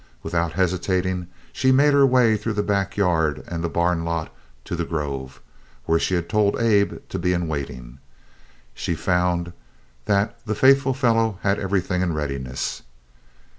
Without hesitating she made her way through the back yard and the barn lot to the grove, where she had told Abe to be in waiting. She found that the faithful fellow had everything in readiness.